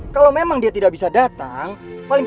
kamu kenapa dig